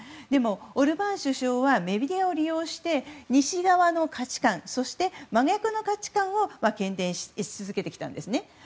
でも、オルバーン首相はメディアを利用して西側の価値観そして真逆の価値観を喧伝し続けてきたんですね。